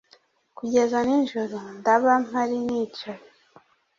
Kugeza nijoro, ndaba mpari nicaye